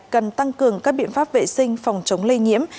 cần tăng cường các biện pháp vệ sinh phòng chống lây nhiễm